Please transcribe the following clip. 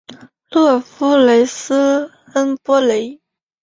勒夫雷斯恩波雷。